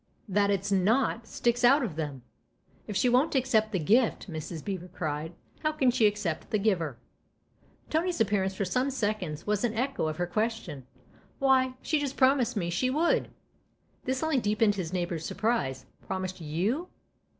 That it's < not ' sticks out of them ! If she won't accept the gift," Mrs. Beever cried, "how can she accept the giver ?" Tony's appearance, for some seconds, was an echo of her question. "Why, she just promised me she would !" This only deepened his neighbour's surprise. " Promised you